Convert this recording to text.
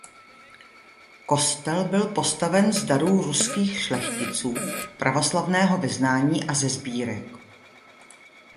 Kostel byl postaven z darů ruských šlechticů pravoslavného vyznání a ze sbírek.